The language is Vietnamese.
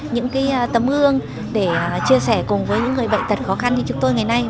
những tấm gương để chia sẻ cùng với những người bệnh tật khó khăn như chúng tôi ngày nay